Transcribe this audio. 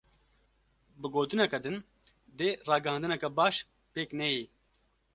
Bi gotineke din; dê ragihandineke baş pêk neyê.